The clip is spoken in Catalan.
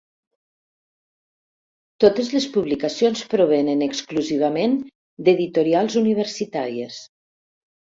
Totes les publicacions provenen exclusivament d'editorials universitàries.